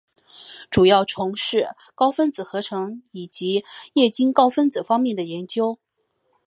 主要从事高分子合成及液晶高分子方面的研究。